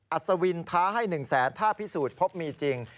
อัศวินท้าให้๑แสนถ้าพิสูจน์พบมีจริง